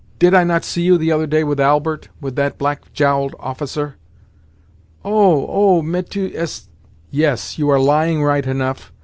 "Did I not see you, the other day, with Albert—with that black jowled officer?" "Oh, oh! Mais tu es—" "Yes, you are lying right enough.